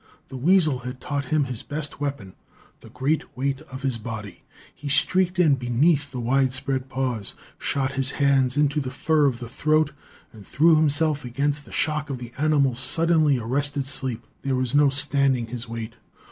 The weasel had taught him his best weapon, the great weight of his body. He streaked in beneath the wide spread paws, shot his hands into the fur of the throat and threw himself against the shock of the animal's suddenly arrested leap. There was no standing his weight.